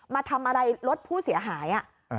มาทำอะไรรถผู้เสียหาย